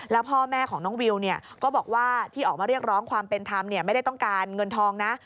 แล้วพ่อแม่ของน้องวิวก็บอกว่าที่ออกมาเรียกร้องความเป็นธรรมไม่ได้ต้องการเงินทองนะ